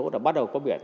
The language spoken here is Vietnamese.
đã bắt đầu có biển